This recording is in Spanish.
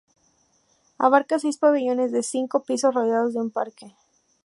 Abarca seis pabellones de cinco pisos rodeados de un parque.